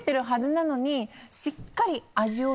しっかり。